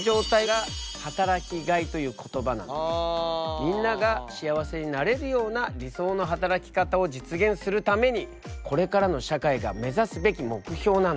みんなが幸せになれるような理想の働き方を実現するためにこれからの社会が目指すべき目標なんだ。